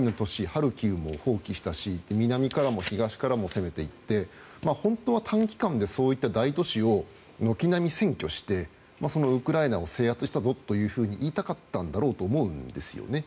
ハルキウも包囲したし、南側からも東側からも攻めていって本当は短期間でそういった大都市を軒並み占拠してそのウクライナを制圧したぞというふうに言いたかったんだろうと思うんですよね。